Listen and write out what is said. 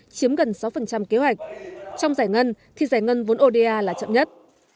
chiếm gần sáu kế hoạch trong giải ngân thì giải ngân vốn oda là chậm nhất